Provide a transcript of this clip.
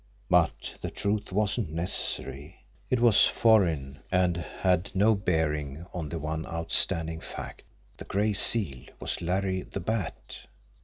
But the truth wasn't necessary; it was foreign, and had no bearing on the one outstanding fact the Gray Seal was Larry the Bat.